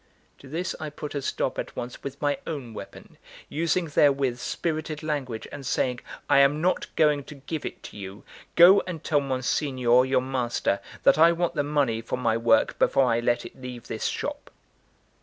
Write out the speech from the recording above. To this I put a stop at once with my own weapon, using therewith spirited language, and saying: "I am not going to give it to you! Go and tell Monsignor, your master, that I want the money for my work before I let it leave this shop."